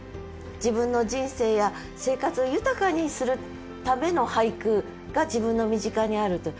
自分の人生や生活を豊かにするための俳句が自分の身近にあると。